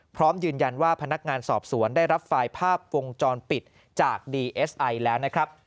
พร้อมยืนยันว่าพนักงานสอบสวนได้รับไฟล์ภาพวงจรปิดจากดีเอสไอแล้วนะครับ